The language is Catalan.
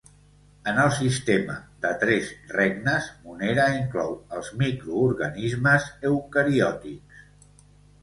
En el sistema de tres regnes, Monera inclou els microorganismes eucariòtics.